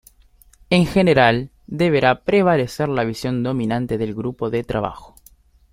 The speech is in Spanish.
En general, deberá prevalecer la visión dominante del grupo de trabajo.